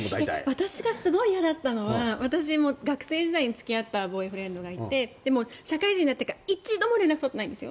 私がすごい嫌だったのは学生時代に付き合ったボーイフレンドがいて社会人になってから一度も連絡を取ってないんですよ。